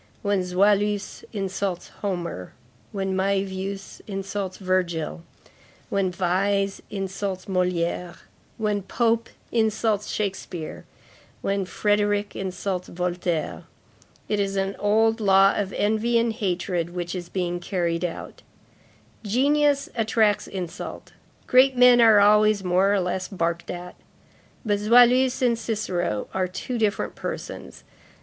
When Zoïlus insults Homer, when Mævius insults Virgil, when Visé insults Molière, when Pope insults Shakspeare, when Frederic insults Voltaire, it is an old law of envy and hatred which is being carried out; genius attracts insult, great men are always more or less barked at. But Zoïlus and Cicero are two different persons.